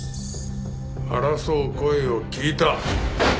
争う声を聞いた。